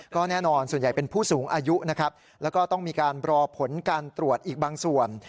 ก็แน่นอนส่วนใหญ่เป็นผู้สูงอายุนะครับแล้วก็ต้องมีการรอผลการตรวจอีกบางส่วน